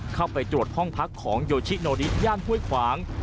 เข้าไปตรวจห้องพักของโยชิโนริสย่านห้วยขวาง